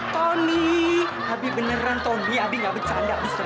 tony abi beneran tony abi gak bercanda abis serius